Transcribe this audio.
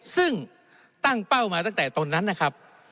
ซึ่งตั้งเป้ามาตั้งแต่ตนนั้นนะครับ